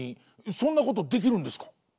そんなことできるんですか？